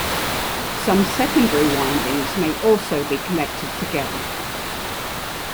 Some secondary windings may also be connected together.